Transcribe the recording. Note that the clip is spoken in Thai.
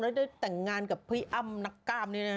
แล้วได้แต่งงานกับพี่อ้ำนักกล้ามนี่นะ